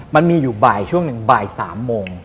มันมีอยู่บ่ายช่วงหนึ่งบ่าย๓โมง